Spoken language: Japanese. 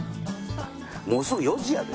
もうすぐ４時やで？